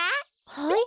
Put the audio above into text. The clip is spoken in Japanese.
はい？